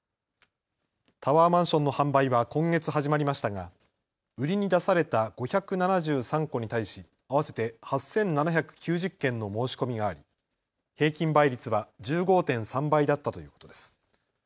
タワーマンションの販売は今月始まりましたが売りに出された５７３戸に対し合わせて８７９０件の申し込みがあり、平均倍率は１５．３倍だったということです。